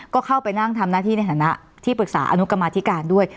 ก็เข้าไปนั่งทำหน้าที่ในฐานะที่ปรึกษาอนุกรรมาธิการด้วย